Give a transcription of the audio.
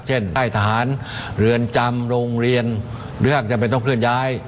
ค่ายทหารเรือนจำโรงเรียนเรื่องจำเป็นต้องเคลื่อนย้าย